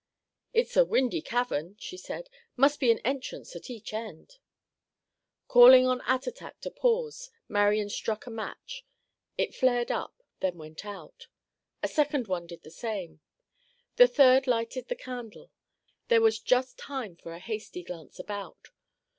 "It's a windy cavern," she said. "Must be an entrance at each end." Calling on Attatak to pause, Marian struck a match. It flared up, then went out. A second one did the same. The third lighted the candle. There was just time for a hasty glance about.